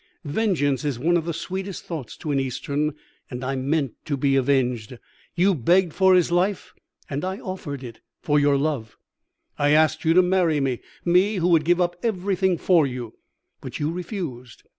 Vengeance is one of the sweetest thoughts to an Eastern, and I meant to be avenged. You begged for his life, and I offered it for your love. I asked you to marry me me, who would give up everything for you; but you refused.